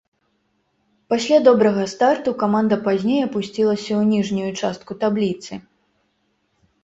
Пасля добрага старту каманда пазней апусцілася ў ніжнюю частку табліцы.